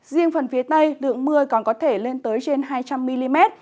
riêng phần phía tây lượng mưa còn có thể lên tới trên hai trăm linh mm